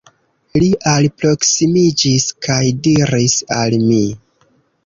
Li alproksimiĝis kaj diris al mi.